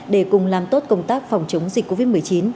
để cùng làm tốt công tác phòng chống dịch covid một mươi chín